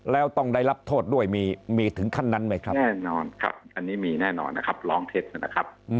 แล้วต้องได้รับโทษด้วยมีถึงขั้นนั้นไหมครับแน่นอนครับอันนี้มีแน่นอนนะครับร้องเท็จนะครับ